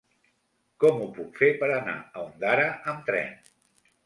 Com ho puc fer per anar a Ondara amb tren?